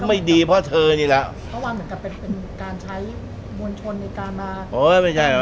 มันไม่ดีเพราะเธอนี่แหละเพราะว่าเหมือนกับเป็นเป็นการใช้บวนชนในการมา